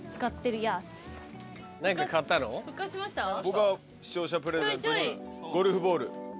僕は視聴者プレゼントのゴルフボール。